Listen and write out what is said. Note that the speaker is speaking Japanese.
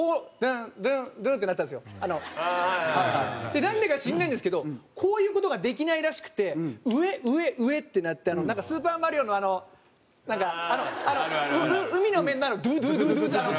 でなんでか知らないんですけどこういう事ができないらしくて上上上ってなって『スーパーマリオ』のあのなんかあの海の面になるとドゥードゥードゥードゥー。